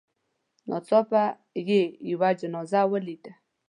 ناڅاپه یې یوه جنازه ولیده.